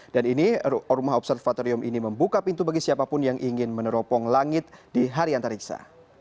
dan ini rumah observatorium ini membuka pintu bagi siapapun yang ingin meneropong langit di hari antariksa